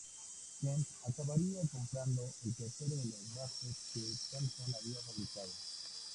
Ken acabaría comprando el tercero de los bajos que Thompson había fabricado.